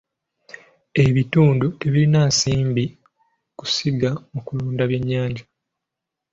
Ebitundu tebirina nsimbi kusiga mu kulunda byennyanja.